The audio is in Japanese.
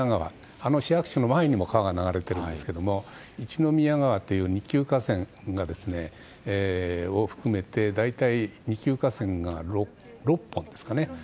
あの市役所の前にも川が流れているんですが一宮川という二級河川を含めて二級河川が６本あるんですかね。